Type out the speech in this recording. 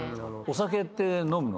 お酒って飲むの？